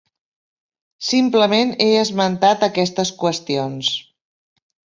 Simplement he esmentat aquestes qüestions.